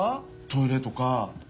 トイレとか。